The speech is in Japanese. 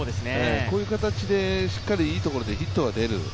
こういう形でしっかりいいところでヒットが出る。